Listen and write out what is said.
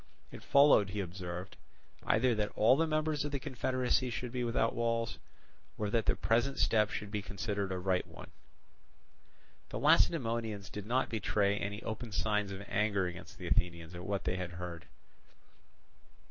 It followed, he observed, either that all the members of the confederacy should be without walls, or that the present step should be considered a right one. The Lacedaemonians did not betray any open signs of anger against the Athenians at what they heard.